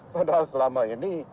padahal selama ini